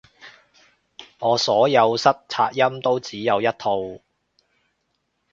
我所有塞擦音都只有一套